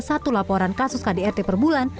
satu laporan kasus kdrt per bulan